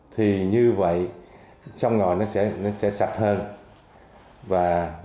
thì như vậy xong rồi nó sẽ xảy ra